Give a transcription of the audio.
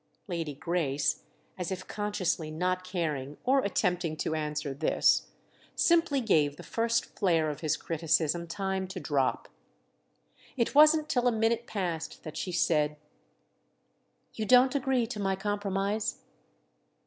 Lady Grace, as if consciously not caring or attempting to answer this, simply gave the first flare of his criticism time to drop. It wasn't till a minute passed that she said: "You don't agree to my compromise?"